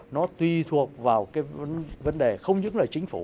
nó tùy thuộc vào cái vấn đề không những là chính phủ